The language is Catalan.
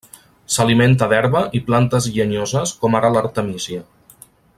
S'alimenta d'herba i plantes llenyoses com ara l'artemísia.